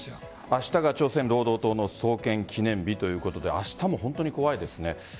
明日が朝鮮労働党の創建記念日ということで明日も怖いですね。